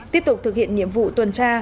tiếp tục thực hiện nhiệm vụ tuần tra